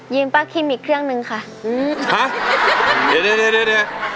ยืมปะคิมอีกเครื่องหนึ่งค่ะอืมห้ะเดี๋ยวเดี๋ยวเดี๋ยวเดี๋ยว